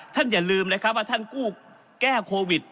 อย่าลืมนะครับว่าท่านกู้แก้โควิด